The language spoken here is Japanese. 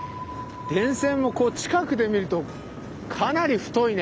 電線もこう近くで見るとかなり太いね。